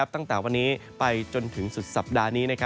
ตั้งแต่วันนี้ไปจนถึงสุดสัปดาห์นี้